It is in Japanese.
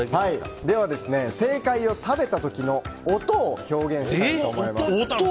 正解を食べた時の音を表現したいと思います。